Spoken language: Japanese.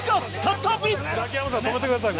ザキヤマさん止めてください。